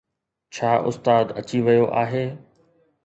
ڇا استاد اچي ويو آهي؟